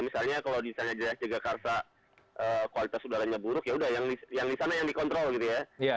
misalnya kalau di sana jagakarsa kualitas udaranya buruk ya udah yang di sana yang dikontrol gitu ya